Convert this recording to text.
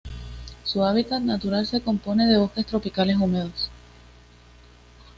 Su hábitat natural se compone de bosques tropicales húmedos.